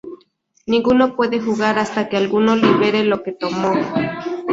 Ninguno puede jugar hasta que alguno libere lo que tomó.